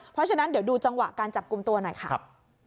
เพราะฉะนั้นเดี๋ยวดูจังหวะการจับกลุ่มตัวหน่อยค่ะ